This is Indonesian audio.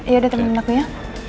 ya udah temenin aku ya